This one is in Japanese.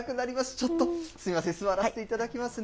ちょっとすみません、座らせていただきますね。